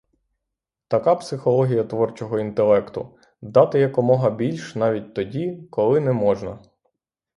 Така психологія творчого інтелекту: дати якомога більш навіть тоді, коли не можна.